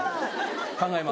考えます。